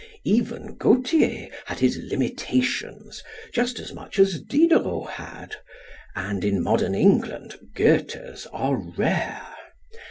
Even Gautier had his limitations just as much as Diderot had, and in modern England Goethes are rare.